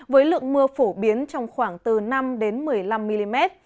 với lượng mưa phổ biến trong khoảng từ năm một mươi năm mm